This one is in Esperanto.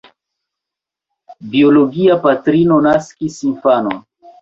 Biologia patrino naskis infanon.